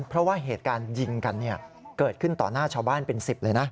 เพราะว่าเหตุการณ์ยิงกันเกิดขึ้นต่อหน้าชาวบ้านเป็น๑๐เลยนะ